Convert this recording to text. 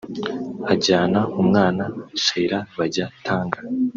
ajyana umwana ( Cheila)bajya Tanga